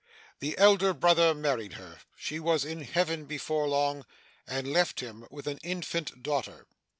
'The elder brother married her. She was in Heaven before long, and left him with an infant daughter.